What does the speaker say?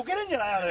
あれ。